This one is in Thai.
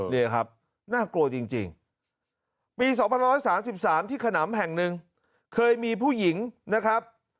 นี่ครับน่ากลัวจริงปี๒๑๓๓ที่ขนำแห่งหนึ่งเคยมีผู้หญิงนะครับ